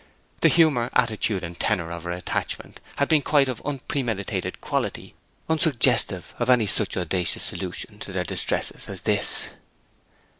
The humour, attitude, and tenor of her attachment had been of quite an unpremeditated quality, unsuggestive of any such audacious solution to their distresses as this.